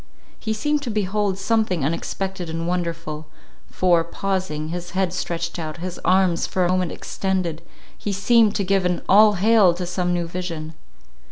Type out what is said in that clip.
He seemed to behold something unexpected and wonderful; for, pausing, his head stretched out, his arms for a moment extended, he seemed to give an All Hail! to some new vision.